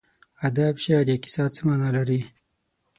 ادب، شعر یا کیسه څه مانا لري.